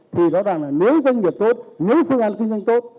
thì đó là nếu doanh nghiệp tốt nếu phương án kinh doanh tốt